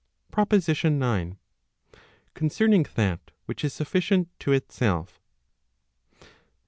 PROPOSITION IX. Concerning that which is sufficient to itself.